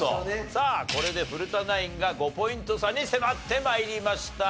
さあこれで古田ナインが５ポイント差に迫って参りました。